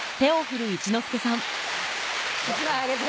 １枚あげて。